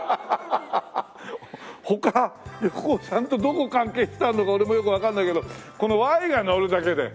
他横尾さんとどこ関係してるのか俺もよくわかんないけどこのＹがのるだけで。